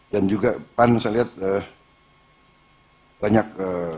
dan juga pan saya lihat